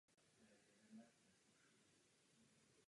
Dáváme jim peníze, aby si kupovali naše zbraně.